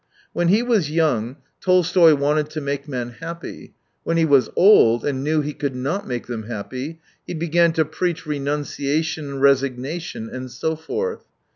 When he was young, Tolstoy 91 wanted to make men happy ; when he was old, and knew he could not make them happy, he began to preach renunciation, resignation, and so forth.